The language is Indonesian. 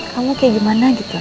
kamu kayak gimana gitu